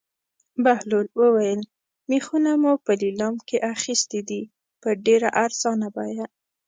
بهلول وویل: مېخونه مو په لېلام کې اخیستي دي په ډېره ارزانه بیه.